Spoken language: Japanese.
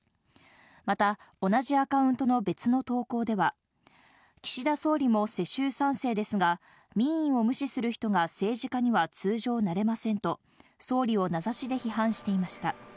また、同じアカウントの別の投稿では、岸田総理も世襲３世ですが、民意を無視する人が政治家には通常なれませんと総理を名指しで批判していました。